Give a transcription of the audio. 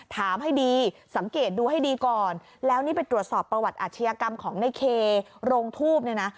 ให้ดีสังเกตดูให้ดีก่อนแล้วนี่ไปตรวจสอบประวัติอาชญากรรมของในเคโรงทูบเนี่ยนะ